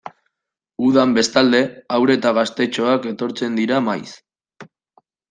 Udan, bestalde, haur eta gaztetxoak etortzen dira maiz.